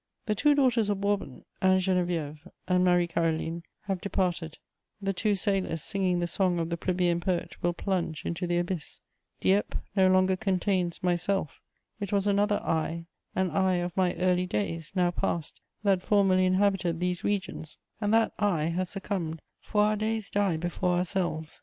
The two daughters of Bourbon, Anne Geneviève and Marie Caroline, have departed; the two sailors singing the song of the plebeian poet will plunge into the abyss; Dieppe no longer contains myself: it was another "I," an "I" of my early days, now past, that formerly inhabited these regions, and that "I" has succumbed, for our days die before ourselves.